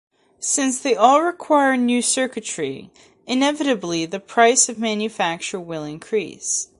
Since they all require new circuitry, inevitably, the price of manufacture will increase.